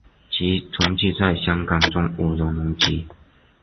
其成绩在香港中无人能及。